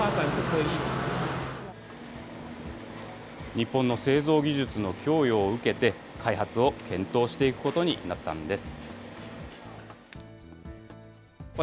日本の製造技術の供与を受けて、開発を検討していくことになったんです。